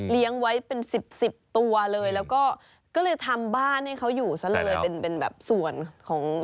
ไว้เป็นสิบสิบตัวเลยแล้วก็ก็เลยทำบ้านให้เขาอยู่ซะเลยเป็นเป็นแบบส่วนของ